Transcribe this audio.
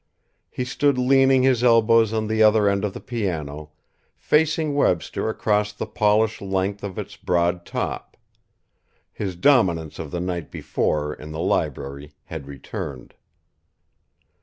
He stood leaning his elbows on the other end of the piano, facing Webster across the polished length of its broad top. His dominance of the night before, in the library, had returned.